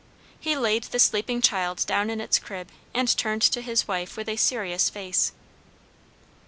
He laid the sleeping child down in its crib, and turned to his wife with a serious face.